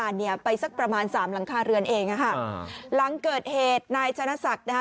แถมยังกลีเข้ามาทำร้ายร่างกายตัวเองด้วยนะฮะ